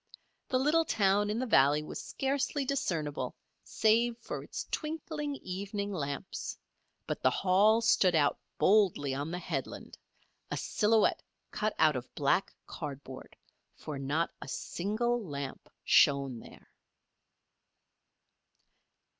The little town in the valley was scarcely discernible save for its twinkling evening lamps; but the Hall stood out boldly on the headland a silhouette cut out of black cardboard, for not a single lamp shone there.